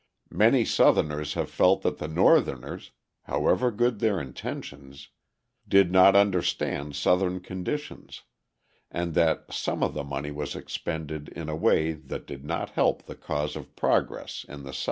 Many Southerners have felt that the Northerners, however good their intentions, did not understand Southern conditions, and that some of the money was expended in a way that did not help the cause of progress in the South.